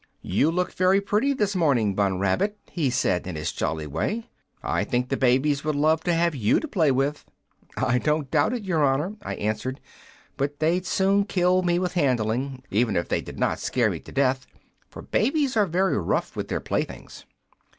"'You look very pretty this morning, Bun Rabbit,' he said, in his jolly way; 'I think the babies would love to have you to play with.' "'I don't doubt it, your honor,' I answered; 'but they'd soon kill me with handling, even if they did not scare me to death; for babies are very rough with their playthings.'